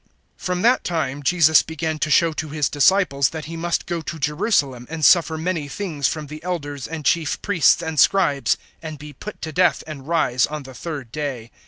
(21)From that time Jesus began to show to his disciples, that he must go to Jerusalem, and suffer many things from the elders and chief priests and scribes, and be put to death, and rise on the third day.